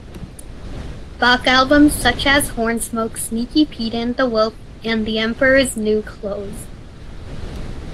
Bach albums as "Hornsmoke", "Sneaky Pete and the Wolf", and "The Emperor's New Clothes".